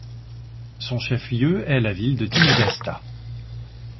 Son chef-lieu est la ville de Tinogasta.